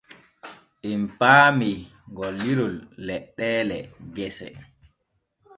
Em paamanee golliron leɗɗeele gesa.